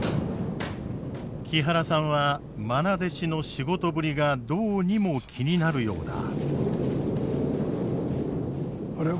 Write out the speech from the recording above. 木原さんはまな弟子の仕事ぶりがどうにも気になるようだ。